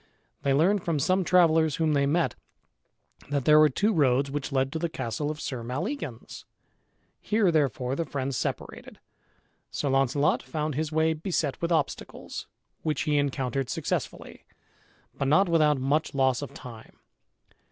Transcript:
They learned from some travellers whom they met, that there were two roads which led to the castle of Sir Maleagans. Here therefore the friends separated. Sir Launcelot found his way beset with obstacles, which he encountered successfully, but not without much loss of time.